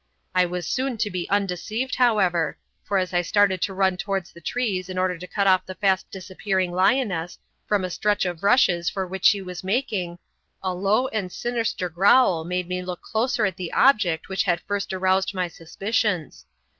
I was soon to be undeceived, however, for as I started to run towards the trees in order to cut off the fast disappearing lioness from a stretch of rushes for which she was making, a low and sinister growl made me look closer at the object which had first aroused my suspicions.